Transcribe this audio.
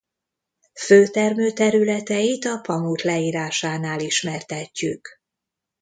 Fő termőterületeit a pamut leírásánál ismertetjük.